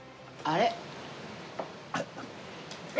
あれ？